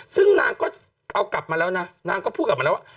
ซึ่งนางก็เอากลับมาแล้วนะนางก็พูดกลับมาแล้วว่า